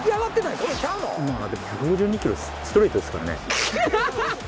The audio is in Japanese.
でも１５２キロストレートですからね。